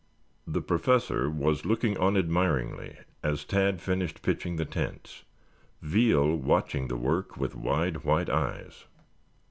The Professor was looking on admiringly as Tad finished pitching the tents, Veal watching the work with wide, white eyes.